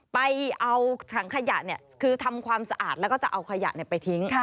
ไปเอาถังขยะคือทำความสะอาดแล้วก็จะเอาขยะไปทิ้ง